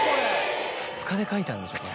・２日で描いたんでしょこれ。